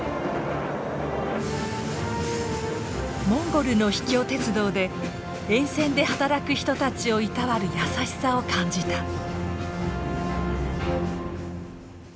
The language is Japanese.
モンゴルの秘境鉄道で沿線で働く人たちをいたわる優しさを感じた！